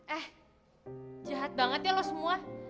eh jahat banget ya lo semua